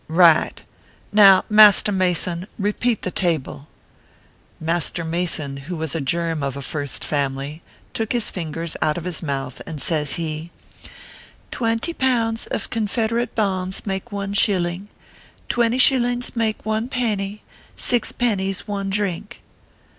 " Right. Now, Master Mason, repeat the table." Master Mason, who was a germ of a first family, took his fingers out of his mouth, and says he :" Twenty pounds of Confederate bonds make one shilling, twenty shillings make one penny, six pennies one drink."